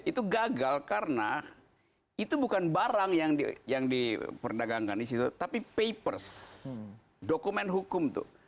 itu gagal karena itu bukan barang yang diperdagangkan di situ tapi papers dokumen hukum itu